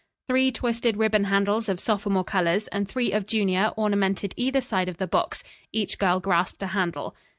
Three twisted ribbon handles of sophomore colors and three of junior ornamented either side of the box. Each girl grasped a handle.